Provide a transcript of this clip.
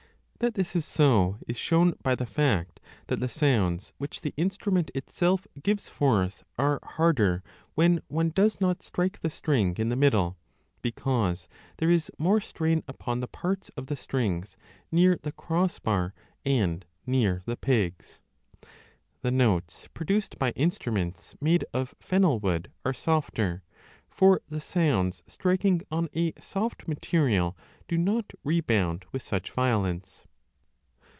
That this is so is shown by the fact that the sounds which the instrument itself gives forth are harder when one does not strike the string in the middle, because there is more strain upon the parts of the strings near 40 the crossbar and near the pegs. The notes produced by instruments made of fennel wood arc softer ; for the sounds striking on a soft material do not rebound with such 8o3 b violence.